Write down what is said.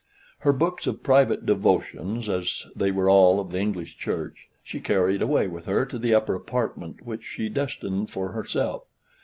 Her books of private devotions, as they were all of the English Church, she carried away with her to the upper apartment, which she destined for herself.